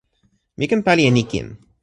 mi ken pali e ni kin.